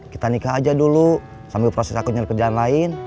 kita nikah aja dulu sambil proses aku nyari kerjaan lain